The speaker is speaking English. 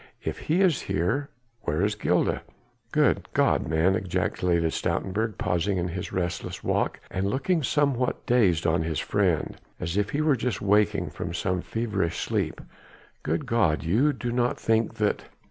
If he is here, where is Gilda?" "Good God, man!" ejaculated Stoutenburg, pausing in his restless walk and looking somewhat dazed on his friend, as if he were just waking from some feverish sleep. "Good God! you do not think that...."